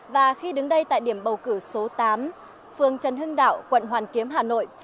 và khi đứng đây tại điểm bầu cử số tám phường trần hưng đạo quận hoàn kiếm hà nội